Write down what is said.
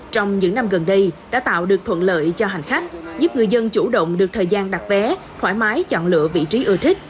trong những năm gần đây đã tạo được thuận lợi cho hành khách giúp người dân chủ động được thời gian đặt vé thoải mái chọn lựa vị trí ưa thích